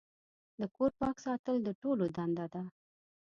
د کور پاک ساتل د ټولو دنده ده.